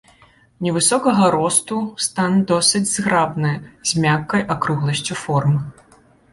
Невысокага росту, стан досыць зграбны, з мяккай акругласцю форм.